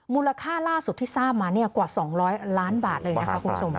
มูลค่าล่าสุดที่ทราบมากว่า๒๐๐ล้านบาทเลยนะคะคุณผู้ชม